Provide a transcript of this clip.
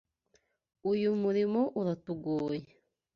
Uyu murimo uratugoye.